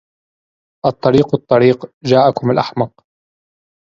الطريق الطريق جاءكم الأحمق